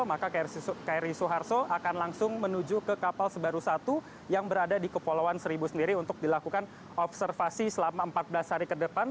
maka kri soeharto akan langsung menuju ke kapal sebaru satu yang berada di kepulauan seribu sendiri untuk dilakukan observasi selama empat belas hari ke depan